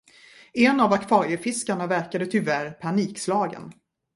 En av akvariefiskarna verkade tyvärr panikslagen.